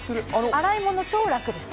洗い物、超楽です。